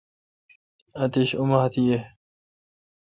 آتش اوماتھ ییں۔